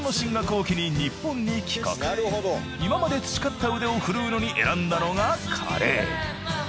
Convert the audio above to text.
今まで培った腕を振るうのに選んだのがカレー。